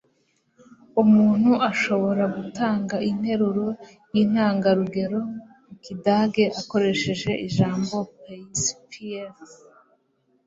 umuntu ashobora gutanga interuro yintangarugero mu kidage akoresheje ijambo beispiel